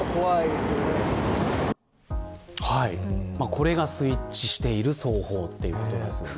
これがスイッチしている走法ということです。